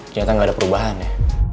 ternyata nggak ada perubahan ya